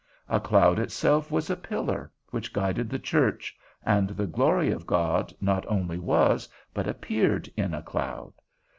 A cloud itself was a pillar which guided the church, and the glory of God not only was, but appeared in a cloud.